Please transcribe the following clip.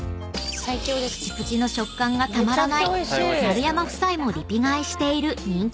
［プチプチの食感がたまらない丸山夫妻もリピ買いしている人気商品］